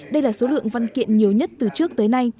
đây là số lượng văn kiện nhiều nhất từ trước tới nay